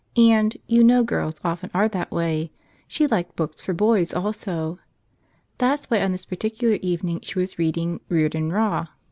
And — you know girls often are that way — she liked books for boys also. That's why, on this particular evening, she was reading "Rear¬ don Rah!"